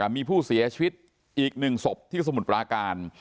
มีผู้เสียชีวิตอีก๑ศพที่สมุทรปราการ